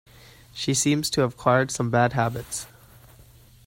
She seems to have acquired some bad habits